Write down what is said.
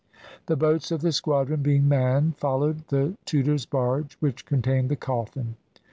The boats of the squadron being manned, followed the Tudor's barge, which contained the coffin.